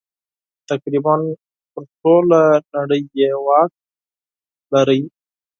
تقریباً پر ټوله نړۍ یې واک درلود.